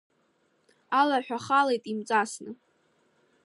Алаҳәа халеит имҵасны.